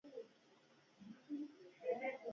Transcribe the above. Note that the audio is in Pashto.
منی د افغانستان د سیاسي جغرافیه برخه ده.